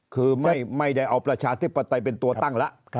คือไม่ได้เอาประชาธิปไตยเป็นตัวตั้งแล้ว